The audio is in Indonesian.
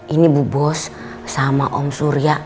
ini bu bos sama om surya